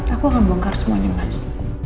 aku gak bohong ke harus mau nyemes